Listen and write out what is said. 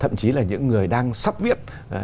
thậm chí là những người đang sắp viết